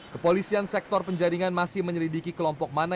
kepolisian sektor penjaringan masih menyelidiki kelompok mana